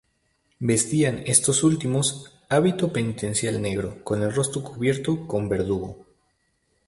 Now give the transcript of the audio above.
Vestían estos últimos hábito penitencial negro, con el rostro cubierto con verdugo.